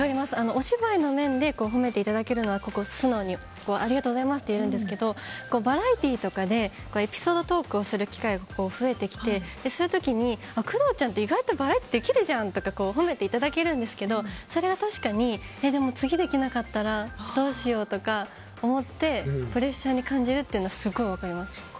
お芝居の面で褒めていただけるのは、素直にありがとうございますと言えるんですけどバラエティーとかでエピソードトークをする機会が増えてきてそういう時に工藤ちゃんって意外とバラエティーできるじゃんとか褒めていただけるんですけどそれは確かに、でも次できなかったらどうしようとか思ってプレッシャーに感じるっていうのはすごい分かります。